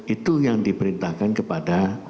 itu yang diperintahkan kepada